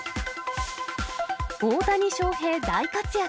大谷翔平大活躍。